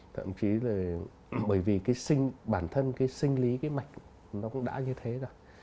thậm chí là bởi vì cái sinh bản thân cái sinh lý cái mạch nó cũng đã như thế rồi